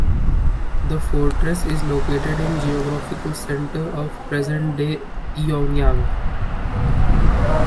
The fortress is located in the geographical center of present-day Eonyang.